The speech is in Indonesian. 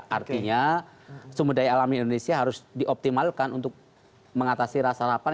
artinya sumber daya alam indonesia harus dioptimalkan untuk mengatasi rasa lapar